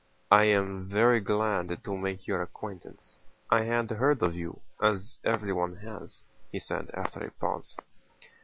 "I am very glad to make your acquaintance. I had heard of you, as everyone has," he said after a pause.